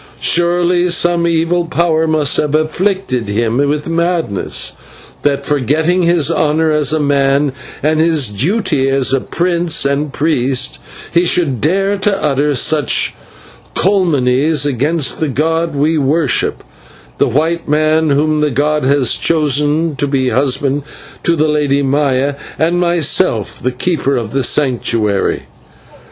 Surely some evil power must have afflicted him with madness, that, forgetting his honour as a man, and his duty as a prince and priest, he should dare to utter such calumnies against the god we worship, the white man whom the god has chosen to be a husband to the Lady Maya, and myself, the Keeper of the Sanctuary.